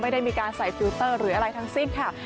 ไม่ได้มีการใส่ฟิลเตอร์หรืออะไรทั้งสิ้นค่ะ